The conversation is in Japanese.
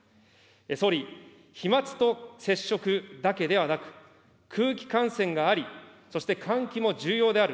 総理、飛まつと接触だけではなく、空気感染があり、そして換気も重要である。